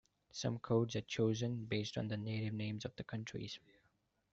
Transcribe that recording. Some codes are chosen based on the native names of the countries.